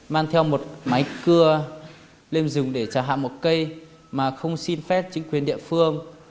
máy cưa lên rừng để trả hạ một cây mà không xin phép chính quyền địa phương